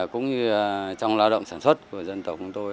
cũng như trong lao động sản xuất của dân tộc chúng tôi